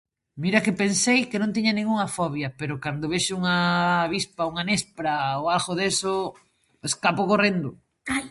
Mira que pensei que non tiña ningunha fobia, pero cando vexo unha avispa, unha néspora ou algho deso, escapo correndo.